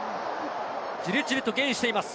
じりじりとゲインしています。